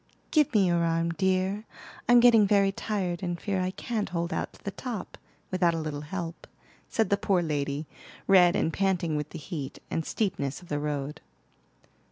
"Give me your arm, dear; I'm getting very tired, and fear I can't hold out to the top, without a little help," said the poor lady, red and panting with the heat, and steepness of the road.